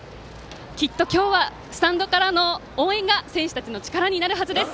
きっと、今日はスタンドからの応援が選手たちの力になるはずです。